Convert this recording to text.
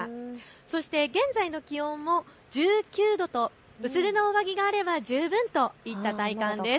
そして現在の気温も１９度と薄手の上着があれば十分といった体感です。